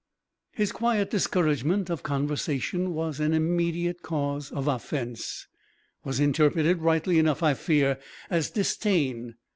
His quiet discouragement of conversation was an immediate cause of offence was interpreted, rightly enough I fear, as disdain.